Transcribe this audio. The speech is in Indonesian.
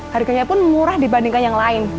harganya pun murah dibandingkan yang lain